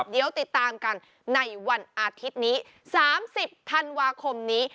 เดี๋ยวติดตามกันในวันอาทิตย์นี้๓๐ธันวาคมนี้